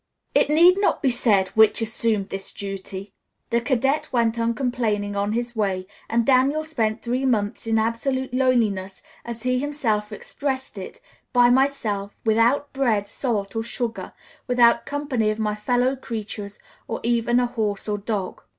It need not be said which assumed this duty; the cadet went uncomplaining on his way, and Daniel spent three months in absolute loneliness, as he himself expressed it, "by myself, without bread, salt, or sugar, without company of my fellow creatures, or even a horse or dog."